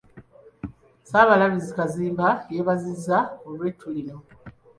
Ssaabalabirizi Kazimba yeebazizza olw'ettu lino .